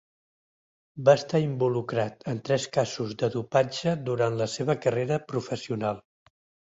Va estar involucrat en tres casos de dopatge durant la seva carrera professional.